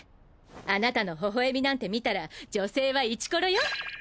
あなたの微笑みなんて見たら女性はイチコロよ。